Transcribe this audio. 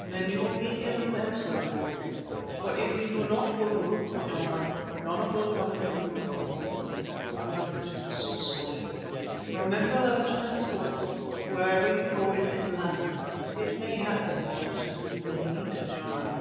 "Then you will meet him elsewhere, Lord. For if you do not go to look for Jana, Jana will come to look for you who have hurt him so sorely. Remember that henceforth, wherever you go in all this land, it may happen that you will meet Jana."